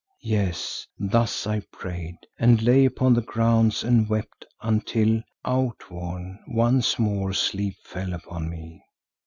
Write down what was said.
Yes, thus I prayed and lay upon the ground and wept until, outworn, once more sleep fell upon me.